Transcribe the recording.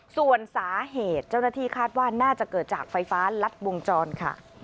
ส่วนสาเหตุเจ้าหน้าที่คาดว่าน่าจะเกิดจากไฟฟ้ารัดวงจรค่ะ